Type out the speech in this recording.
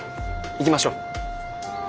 行きましょう。